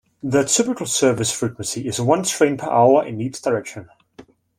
The typical service frequency is one train per hour in each direction.